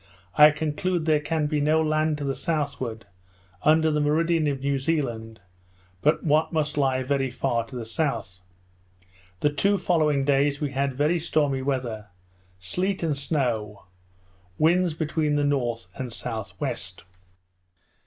I conclude there can be no land to the southward, under the meridian of New Zealand, but what must lie very far to the south. The two following days we had very stormy weather, sleet and snow, winds between the north and south west.